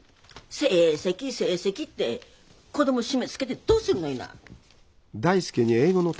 成績成績って子供締めつけてどうするのいな。